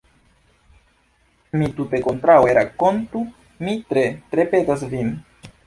Tute kontraŭe; rakontu, mi tre, tre petas vin.